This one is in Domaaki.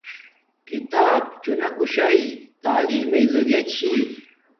کتاب چھوناکوشݵ تعیم بݵ زریعے چھی